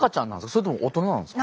それとも大人なんですか？